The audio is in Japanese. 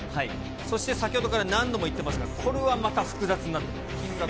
そして先ほどから何度も言ってますが、これはまた複雑になってまいります。